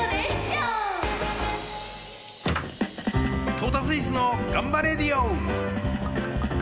「トータスイスのがんばレディオ！」。